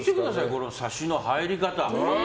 このサシの入り方。